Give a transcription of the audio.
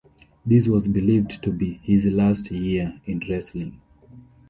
This was believed to be his last year in wrestling.